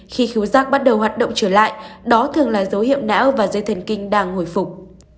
khi khứ giác bắt đầu hoạt động trở lại đó thường là dấu hiệu não và dây thần kinh đang hồi phục